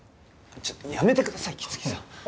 ちょっとやめてください木次さん。